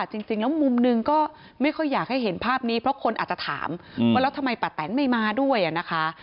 จริงแล้วมุมหนึ่งก็ไม่ค่อยอยากให้เห็นภาพนี้เพราะคนอาจจะถามว่าแล้วทำไมป้าแตนไม่มาด้วยนะคะ